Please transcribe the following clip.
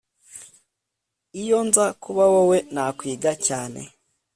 Iyo nza kuba wowe nakwiga cyane